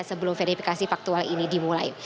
sebelum verifikasi faktual ini dimulai